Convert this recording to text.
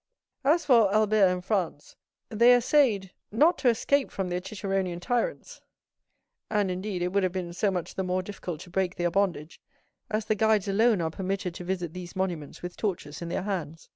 As for Albert and Franz, they essayed not to escape from their ciceronian tyrants; and, indeed, it would have been so much the more difficult to break their bondage, as the guides alone are permitted to visit these monuments with torches in their hands.